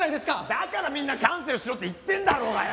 だからみんなキャンセルしろって言ってんだろうがよ！